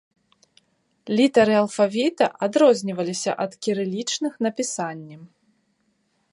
Літары алфавіта адрозніваліся ад кірылічных напісаннем.